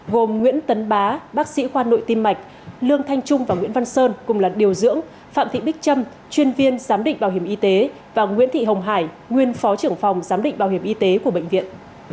gồm nguyễn tấn bá bác sĩ khoa nội tim mạch lương thanh trung và nguyễn văn sơn cùng là điều dưỡng phạm thị bích trâm chuyên viên giám định bảo hiểm y tế và nguyễn thị hồng hải nguyên phó trưởng phòng giám định bảo hiểm y tế của bệnh viện